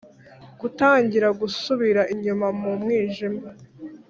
gutangira gusubira inyuma mu mwijima